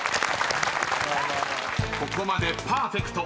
［ここまでパーフェクト。